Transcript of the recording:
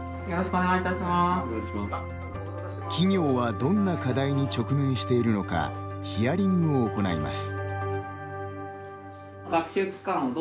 企業はどんな課題に直面しているのかヒアリングを行います。